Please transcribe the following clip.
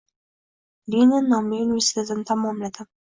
Lenin nomli universitetni tamomladim.